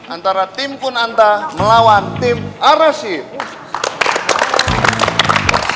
antara tim kunanta melawan tim arasif